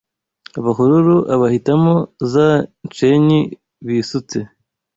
Abahororo abahitamo Za Nshenyi bisutse